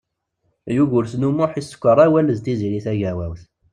Yugurten U Muḥ isekker awal d Tiziri Tagawawt.